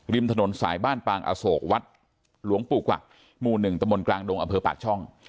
ริมถนนสายบ้านปางอโศกวัดหลวงปู่กว่ะม๑ตกลางดงอปาช่อง